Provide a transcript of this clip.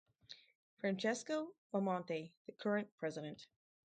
Francesco Bamonte, the current president.